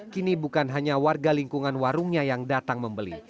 kini bukan hanya warga lingkungan warungnya yang datang membeli